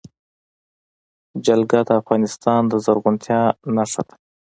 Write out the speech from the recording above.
جلګه د افغانستان د زرغونتیا نښه ده.